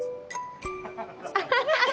アハハハ。